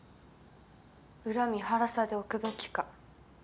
恨み晴らさでおくべきか。